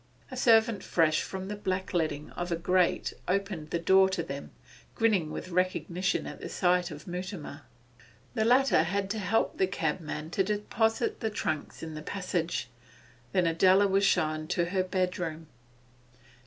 A servant fresh from the blackleading of a grate opened the door to them, grinning with recognition at the sight of Mutimer. The latter had to help the cabman to deposit the trunks in the passage. Then Adela was shown to her bedroom.